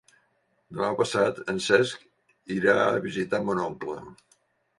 Demà passat en Cesc irà a visitar mon oncle.